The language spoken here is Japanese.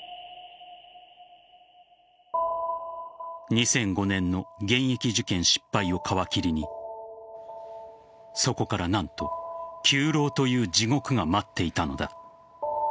２００５年の現役受験失敗を皮切りにそこから何と、９浪という地獄が待っていたのだ。